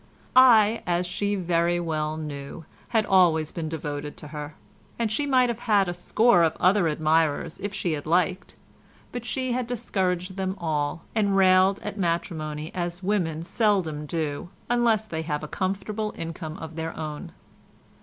I, as she very well knew, had always been devoted to her, and she might have had a score of other admirers if she had liked, but she had discouraged them all, and railed at matrimony as women seldom do unless they have a comfortable income of their own.